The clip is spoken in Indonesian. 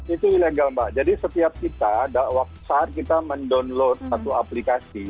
itu ilegal mbak jadi setiap kita saat kita mendownload satu aplikasi